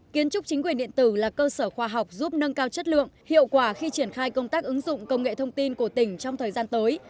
kiến trúc chính quyền điện tử là cơ sở khoa học giúp nâng cao chất lượng hiệu quả khi triển khai công tác ứng dụng công nghệ thông tin của tỉnh trong thời gian tới